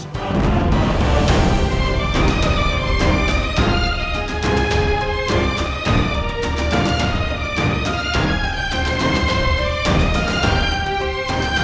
karena itu kesalahan kamu